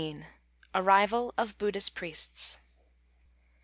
ARRIVAL OF BUDDHIST PRIESTS.